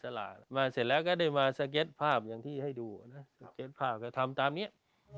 มาเสร็จแล้วก็ได้มาสเก็ตภาพอย่างที่ให้ดูนะสเก็ตภาพก็ทำตามเนี้ย